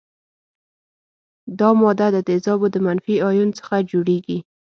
دا ماده د تیزابو د منفي ایون څخه جوړیږي.